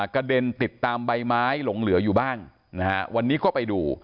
กระเด็นติดตามใบไม้หลงเหลืออยู่บ้างนะฮะวันนี้ก็ไปดู